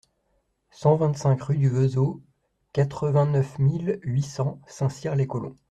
cent vingt-cinq rue du Vezeau, quatre-vingt-neuf mille huit cents Saint-Cyr-les-Colons